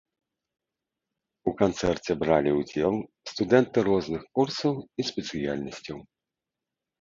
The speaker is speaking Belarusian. У канцэрце бралі ўдзел студэнты розных курсаў і спецыяльнасцяў.